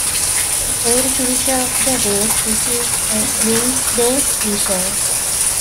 Every finisher of the race receives a Bloomsday T-shirt.